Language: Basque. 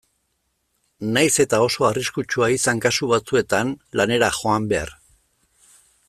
Nahiz eta oso arriskutsua izan kasu batzuetan lanera joan behar.